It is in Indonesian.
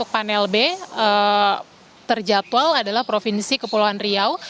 panel b terjatual adalah provinsi kepulauan riau